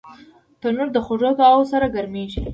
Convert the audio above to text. تنور د خوږو دعاوو سره ګرمېږي